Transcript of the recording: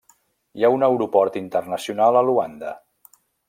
Hi ha un aeroport internacional a Luanda.